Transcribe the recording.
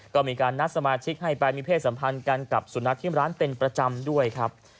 ก็มีการนัดสมาชิกให้ไปมีเพศสัมพันธ์กันกับสุนัขที่ร้านเป็นประจำด้วยครับ